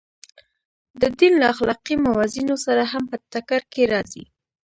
د دین له اخلاقي موازینو سره هم په ټکر کې راځي.